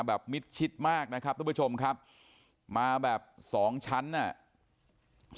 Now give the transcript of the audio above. มิดชิดมากนะครับทุกผู้ชมครับมาแบบสองชั้นอ่ะ